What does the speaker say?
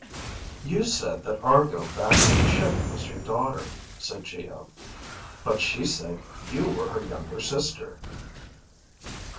"You said that Argo back in the ship was your daughter," said Geo, "but she said you were her younger sister."